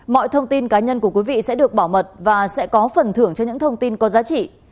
mọi thông tin cá nhân của quý vị sẽ được bảo mật và sẽ có phần thưởng cho những thông tin có giá trị